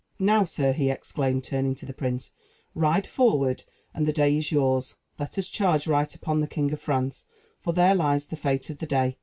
"Now, sir," he exclaimed, turning to the prince, "ride forward, and the day is yours. Let us charge right upon the King of France, for there lies the fate of the day.